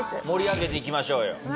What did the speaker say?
盛り上げていきましょうよ。